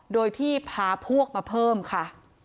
โดยที่พาพวกมาเพิ่มค่ะ